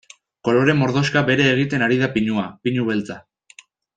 Kolore mordoxka bere egiten ari da pinua, pinu beltza.